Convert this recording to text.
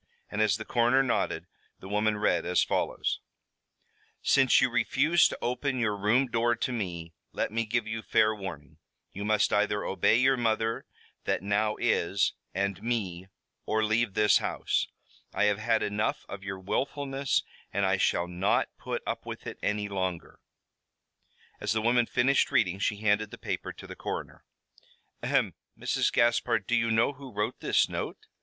And as the coroner nodded, the woman read as follows: "Since you refuse to open your room door to me, let me give you fair warning. You must either obey your mother that now is, and me, or leave this house. I have had enough of your willfulness and I shall not put up with it any longer." As the woman finished reading she handed the paper to the coroner. "Ahem! Mrs. Gaspard, do you know who wrote this note?"